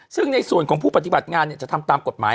ซึ่งในส่วนของผู้ปฏิบัติงานจะทำตามกฎหมาย